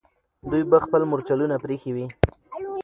دوی به خپل مرچلونه پرېښي وي.